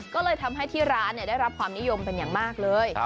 ก็เลยทำให้ที่ร้านได้รับความนิยมเป็นอย่างมากเลย